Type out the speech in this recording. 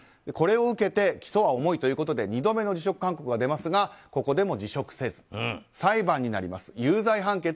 これを受けて起訴は重いということで２度目の辞職勧告が出ますがここでも辞職せず裁判になりました。